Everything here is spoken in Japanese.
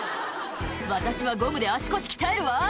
「私はゴムで足腰鍛えるわ」